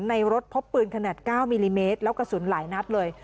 ในรถพบปืนขนาด๙มิลลิเมตรแล้วกระสุนหลายนัดเลย